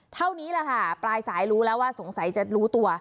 เท่านี้แหละค่ะปลายสายรู้แล้วว่าสงสัยจะรู้ตัว